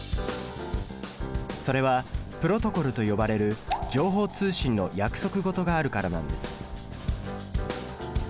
それはプロトコルと呼ばれる情報通信の約束事があるからなんです。